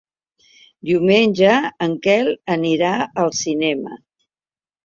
Diumenge en Quel anirà al cinema.